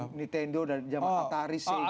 nintendo dan zaman atari sega